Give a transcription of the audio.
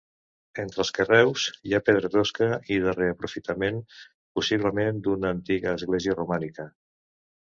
Entre els carreus hi ha pedra tosca i de reaprofitament, possiblement, d'una antiga església romànica.